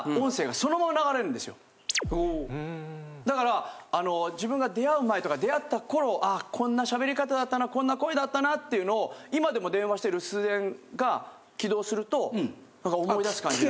だから自分が出会う前とか出会った頃こんな喋り方だったなこんな声だったなっていうのを今でも電話して留守電が起動すると思い出す感じなんです。